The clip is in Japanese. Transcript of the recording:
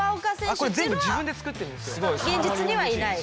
これ全部自分で作ってるんですよ。